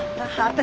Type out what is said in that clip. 私